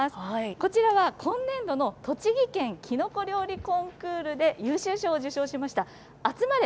こちらは今年度の栃木県きのこ料理コンクールで優秀賞を受賞しました、あつまれ！